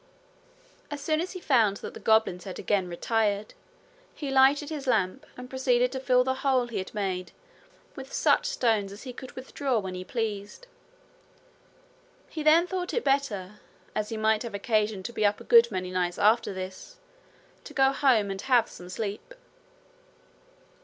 As soon as he found that the goblins had again retired, he lighted his lamp, and proceeded to fill the hole he had made with such stones as he could withdraw when he pleased. He then thought it better, as he might have occasion to be up a good many nights after this, to go home and have some sleep.